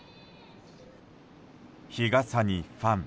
日傘にファン。